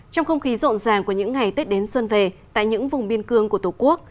trong không khí rộn ràng của những ngày tết đến xuân về tại những vùng biên cương của tổ quốc